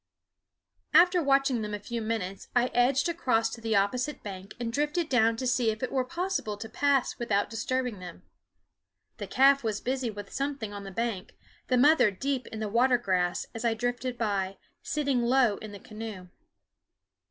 After watching them a few minutes I edged across to the opposite bank and drifted down to see if it were possible to pass without disturbing them. The calf was busy with something on the bank, the mother deep in the water grass as I drifted by, sitting low in the canoe.